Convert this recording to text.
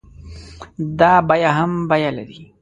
دا بيه هم بيه لري.